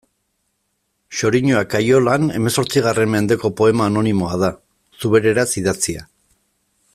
Xoriñoak kaloian hemezortzigarren mendeko poema anonimoa da, zubereraz idatzia.